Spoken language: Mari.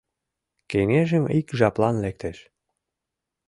Кеҥежым ик жаплан лектеш.